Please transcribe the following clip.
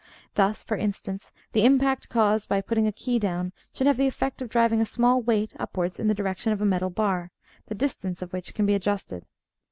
Thus, for instance, the impact caused by putting a key down should have the effect of driving a small weight upwards in the direction of a metal bar, the distance of which can be adjusted.